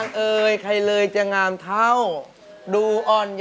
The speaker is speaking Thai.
แล้วไม่ให้ใครแก้ด้วย